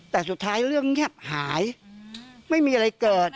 แต่สุดท้ายเรื่องเงียบหายไม่มีอะไรเกิด